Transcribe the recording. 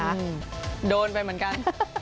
อืมโดนไปเหมือนกัน